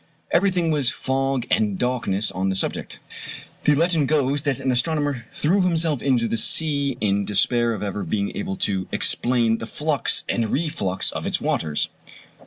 Everything was fog and darkness on the subject. The legend goes that an astronomer threw himself into the sea in despair of ever being able to explain the flux and reflux of its waters.